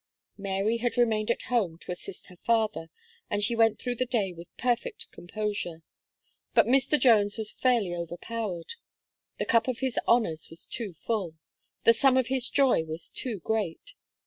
Mary had remained at home, to assist her father; and she went through the day with perfect composure; but Mr. Jones was fairly overpowered: the cup of his honours was too full; the sum of his joy was too great.